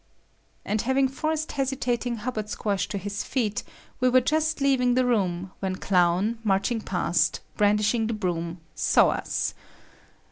And having forced hesitating Hubbard Squash to his feet, we were just leaving the room, when Clown, marching past, brandishing the broom, saw us.